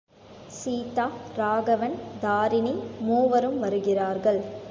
சீதா, ராகவன், தாரிணி மூவரும் வருகிறார்கள்.